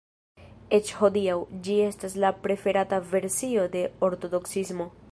Eĉ hodiaŭ, ĝi estas la preferata versio de ortodoksismo.